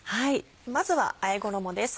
まずはあえ衣です